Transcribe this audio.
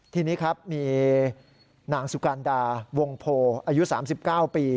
ทีนี้ครับมีนางสุกันดาวงโพอายุ๓๙ปี